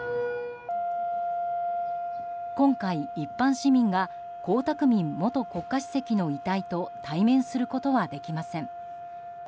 今回、一般市民が江沢民元国家主席の遺体と対面することはできません。